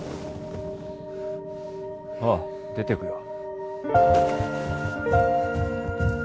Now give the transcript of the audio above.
ああ出てくよ